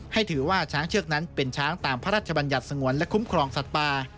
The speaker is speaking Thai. ให้ถือว่าช้างเชือกนั้นเป็นช้างตามพระราชบัญญัติสงวนและคุ้มครองสัตว์ป่า